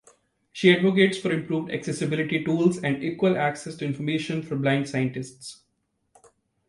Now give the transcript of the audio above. She advocates for improved accessibility tools and equal access to information for blind scientists.